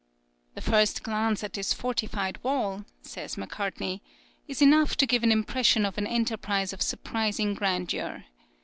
"The first glance at this fortified wall," says Macartney, "is enough to give an impression of an enterprise of surprising grandeur.